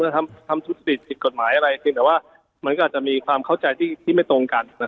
ทำธุรกิจผิดกฎหมายอะไรเพียงแต่ว่ามันก็อาจจะมีความเข้าใจที่ไม่ตรงกัน